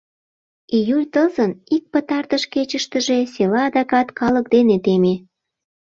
Июль тылзын ик пытартыш кечыштыже села адакат калык дене теме.